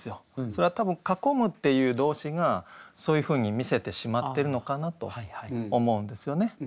それは多分「囲む」っていう動詞がそういうふうに見せてしまってるのかなと思うんですよね。